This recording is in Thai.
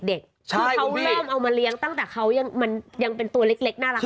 ที่เขาเริ่มเอามาเลี้ยงตั้งแต่เขายังเป็นตัวเล็กน่ารัก